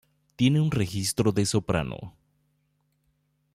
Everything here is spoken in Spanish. Tiene un registro de soprano.